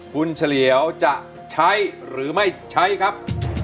คุณเฉลียวจะใช้หรือไม่ใช้ครับ